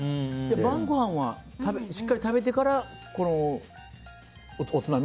晩ごはんはしっかり食べてからおつまみ？